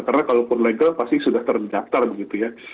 karena kalaupun legal pasti sudah terjaktar begitu ya